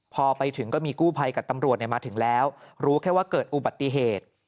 พอไปถึงก็มีกู้ภัยกับตำรวจมาถึงแล้วรู้แค่ว่าเกิดอุบัติเหตุ